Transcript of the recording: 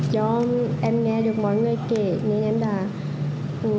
do em nghe được mọi người kể nên em đã đăng tài lên trang facebook của mình